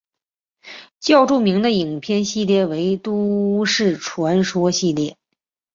较著名的影片系列为都市传说系列。